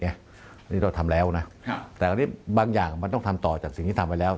อันนี้เราทำแล้วนะแต่อันนี้บางอย่างมันต้องทำต่อจากสิ่งที่ทำไปแล้ว